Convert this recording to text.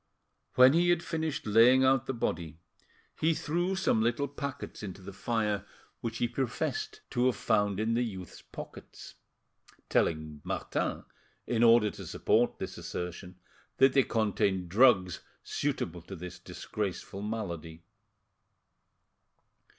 When he had finished laying out the body, he threw some little packets into the fire which he professed to have found in the youth's pockets, telling Martin, in order to support this assertion, that they contained drugs suitable to this disgraceful malady.